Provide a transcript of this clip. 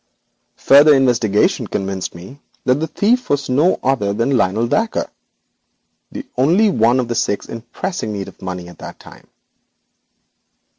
Further investigation convinced me that the thief was no other than Lionel Dacre, the only one of the six in pressing need of money at this time.